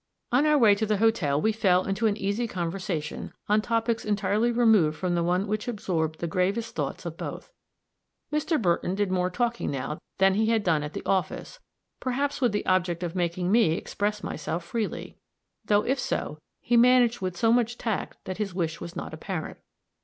On our way to the hotel we fell into an easy conversation on topics entirely removed from the one which absorbed the gravest thoughts of both. Mr. Burton did more talking now than he had done at the office, perhaps with the object of making me express myself freely; though if so, he managed with so much tact that his wish was not apparent.